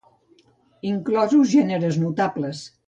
Inclosos gèneres notables.